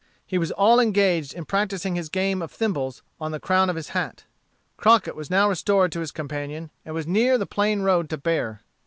He was all engaged in practising his game of thimbles on the crown of his hat. Crockett was now restored to his companion, and was near the plain road to Bexar.